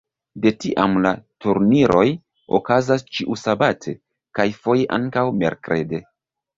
De tiam la turniroj okazas ĉiusabate, kaj foje ankaŭ merkrede.